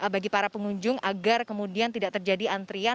bagi para pengunjung agar kemudian tidak terjadi antrian